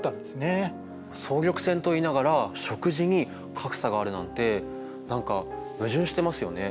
総力戦といいながら食事に格差があるなんて何か矛盾してますよね。